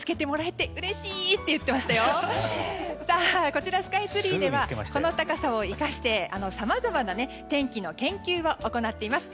こちら、スカイツリーではこの高さを生かしてさまざまな天気の研究を行っています。